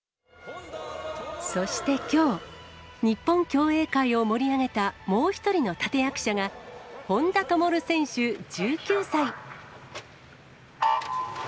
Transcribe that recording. そしてきょう、日本競泳界を盛り上げたもう一人の立て役者が、本多灯選手１９歳。